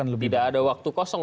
tidak ada waktu kosong